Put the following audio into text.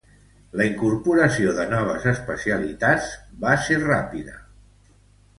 La incorporació de noves especialitats va ser ràpida.